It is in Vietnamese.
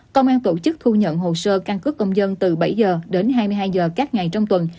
công an tổ chức thu nhận hồ sơ căn cứ công dân từ bảy h đến hai mươi hai h các ngày trong tuần